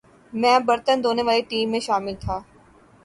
میں برتن دھونے والی ٹیم میں شامل تھا